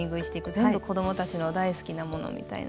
全部子どもたちの大好きなものみたいな。